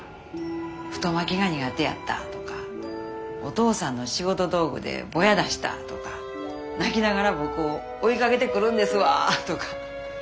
太巻きが苦手やったとかお父さんの仕事道具でボヤ出したとか泣きながら僕を追いかけてくるんですわとか。